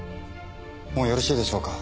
もうよろしいでしょうか？